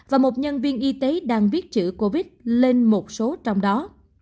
và một nhân viên y tế đang viết chữ covid lên một số trong đó